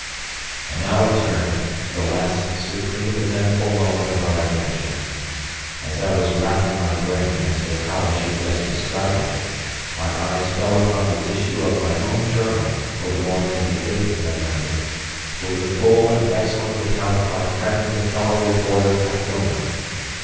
And now I turn to the last supreme eventful moment of our adventure. As I was racking my brain as to how I should best describe it, my eyes fell upon the issue of my own Journal for the morning of the 8th of November with the full and excellent account of my friend and fellow reporter Macdona.